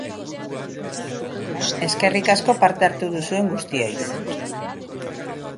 Eskerrik asko parte hartu duzuen guztioi!